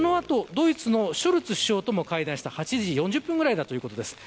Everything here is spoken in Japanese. その後ドイツのショルツ首相とも会談した、８時４０分ぐらいだということです。